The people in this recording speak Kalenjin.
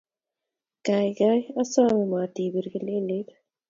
Kaigai, asome matipir kelelet.